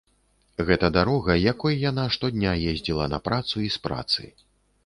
Гэта дарога, якой яна штодня ездзіла на працу і з працы.